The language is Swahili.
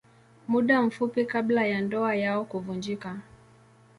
Muda mfupi kabla ya ndoa yao kuvunjika.